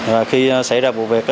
và khi xảy ra vụ việc